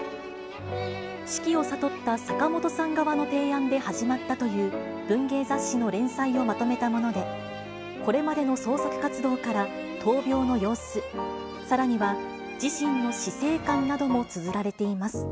死期を悟った坂本さん側の提案で始まったという、文芸雑誌の連載をまとめたもので、これまでの創作活動から闘病の様子、さらには自身の死生観などもつづられています。